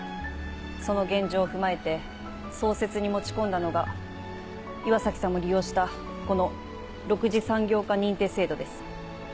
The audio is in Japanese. その現状を踏まえて創設に持ち込んだのが岩崎さんも利用したこの６次産業化認定制度です。